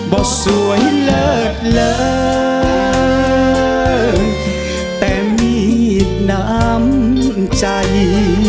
บ่สวยเลิศเลิศแต่มีน้ำใจ